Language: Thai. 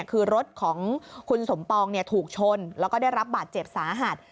คือรถของคุณสมปองถูกชนแล้วก็ได้รับบาดเจ็บสาหัส